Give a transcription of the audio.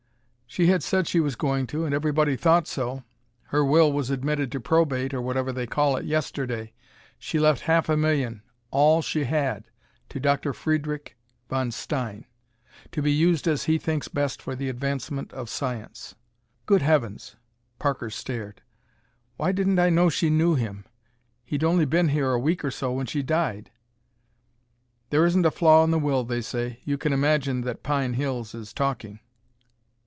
She had said she was going to, and everybody thought so. Her will was admitted to probate, or whatever they call it, yesterday. She left half a million, all she had, to Dr. Friedrich von Stein, to be used as he thinks best for the advancement of science!" "Good heavens!" Parker stared. "Why, I didn't know she knew him. He'd only been here a week or so when she died." "There isn't a flaw in the will, they say. You can imagine that Pine Hills is talking!"